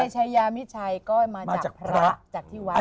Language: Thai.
ใชยามิชัยก็มาจากพระจากที่วัดเหมือนกัน